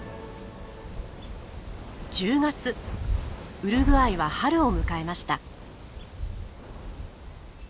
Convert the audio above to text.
ウルグアイは春を迎えました。